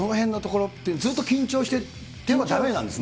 ずっと緊張しててはだめなんですね。